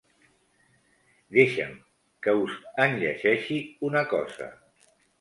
Deixa'm que us en llegeixi una cosa.